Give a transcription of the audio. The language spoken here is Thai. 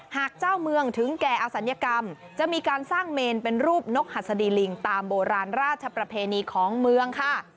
หากเจ้าเมืองถึงแก่อศัลยกรรมจะมีการสร้างเมนเป็นรูปนกหัสดีลิงตามโบราณราชประเพณีของเมืองค่ะ